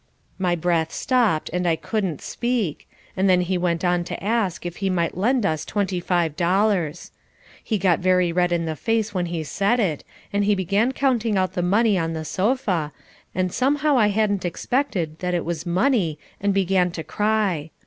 My breath stopped and I couldn't speak, and then he went on to ask if he might lend us twenty five dollars. He got very red in the face when he said it and he began counting out the money on the sofa, and somehow I hadn't expected that it was money and began to cry.